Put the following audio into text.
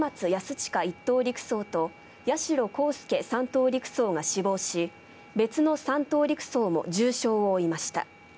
親１等陸曹と八代航佑３等陸曹が死亡し別の３等陸曹も重傷を負いました。